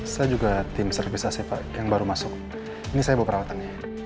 saya juga tim service pak yang baru masuk ini saya bawa perawatannya